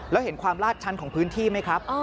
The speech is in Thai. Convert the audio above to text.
แล้วเห็นความลาดชันของพื้นที่ไหมครับ